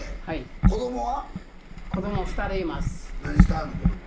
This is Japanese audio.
子どもは？